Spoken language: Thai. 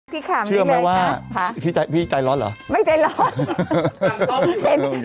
พี่ขามนี้เลยครับฮะพี่ใจร้อนเหรอไม่ใจร้อน